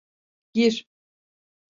Gir.